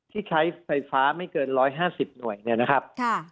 ที่ใช้ไฟฟ้าไม่เกิน๑๕๐หน่วยเนี่ยนะครับ